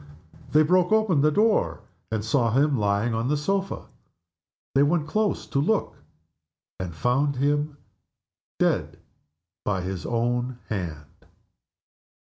They broke open the door, and saw him lying on the sofa. They went close to look and found him dead by his own hand.